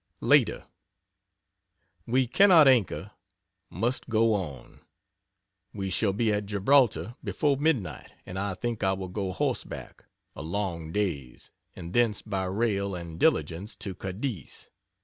Later: We cannot anchor must go on. We shall be at Gibraltar before midnight and I think I will go horseback (a long days) and thence by rail and diligence to Cadiz.